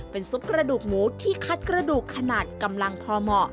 เป็นซุปกระดูกหมูที่คัดกระดูกขนาดกำลังพอเหมาะ